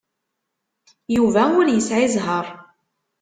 Yuba ur yesɛi zzheṛ.